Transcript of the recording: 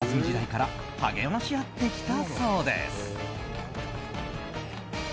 下積み時代から励まし合ってきたそうです。